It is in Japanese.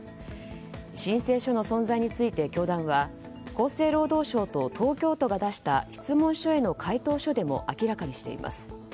申請書の存在について、教団は厚生労働省と東京都が出した質問書への回答書でも明らかにしています。